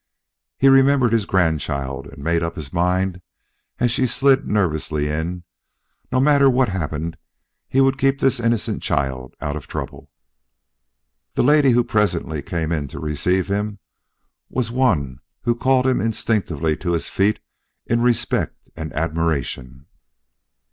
He remembered his grandchild, and made up his mind, as she slid nervously in, that no matter what happened he would keep this innocent child out of trouble. The lady who presently came in to receive him was one who called him instinctively to his feet in respect and admiration.